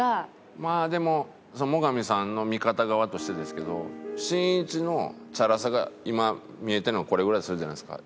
まあでも最上さんの味方側としてですけどしんいちのチャラさが今見えてるのがこれぐらいやとするじゃないですか。